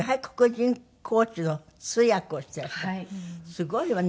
すごいわね。